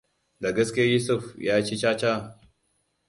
Da gaske Yusuf yaci caca?